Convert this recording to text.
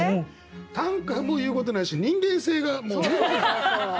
短歌も言うことないし人間性がもう。